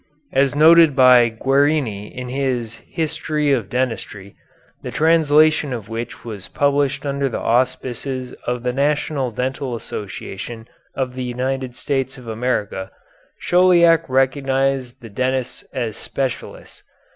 As noted by Guerini in his "History of Dentistry," the translation of which was published under the auspices of the National Dental Association of the United States of America, Chauliac recognized the dentists as specialists.